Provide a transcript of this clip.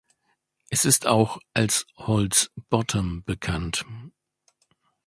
Es ist auch als Holts Bottom bekannt.